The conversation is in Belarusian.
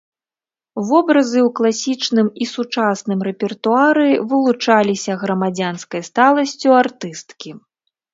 Вобразы ў класічным і сучасным рэпертуары вылучаліся грамадзянскай сталасцю артысткі.